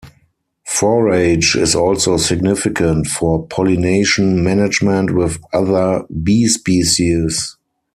Forage is also significant for pollination management with other bee species.